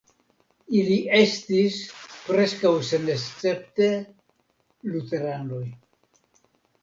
Ili estis preskaŭ senescepte luteranoj.